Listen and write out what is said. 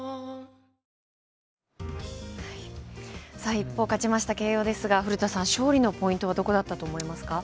一方勝ちました慶応ですが、勝利のポイントはどこだと思いますか。